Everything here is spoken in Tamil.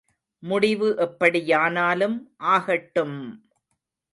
முடிவு எப்படியானாலும் ஆகட்டும்!